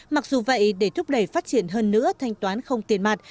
mặc dù vậy để thúc đẩy phát triển hơn nữa thanh toán không tiền mặt